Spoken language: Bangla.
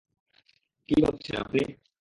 কি ভাবছেন, আপনি?